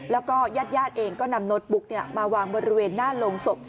แล้วก็ญาติแย่ติเองก็นำโนโต๊ะบุ๊คนี่เอามาวางบริเวณหน้าโลงศพ